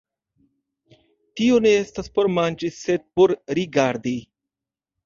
Tio ne estas por manĝi, sed por rigardi.